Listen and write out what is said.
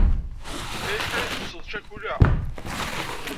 Yal acḥal i tsetteḍ ccakula?